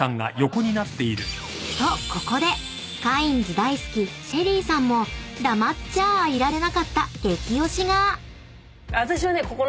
［とここでカインズ大好きＳＨＥＬＬＹさんも黙っちゃあいられなかった激オシが］